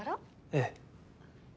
ええ。